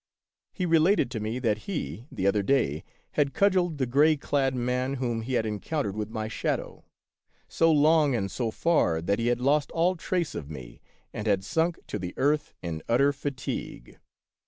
He related to me that he, the other day, had cudgeled the gray clad man whom he had encountered with my shadow, so long and so far that he had lost all trace of me and had sunk to the earth in utter fatigue.